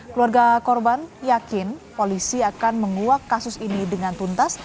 keluarga korban yakin polisi akan menguak kasus ini dengan tuntas